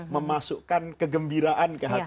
memasukkan kegembiraan ke hati